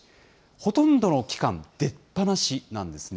ほとんどの期間、出っぱなしなんですね。